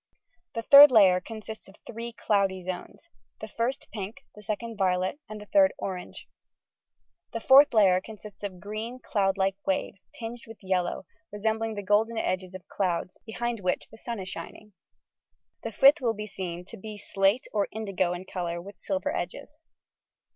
The third layer consists of three cloudy zones, the first pink, the second violet, and the third orange. The fourth layer consists of green, cloud like waves, tinged with yellow, resembling the golden edges of clouds, behind which the sun is shining. The fifth will be seen to be slate or indigo in colour, with silver edges.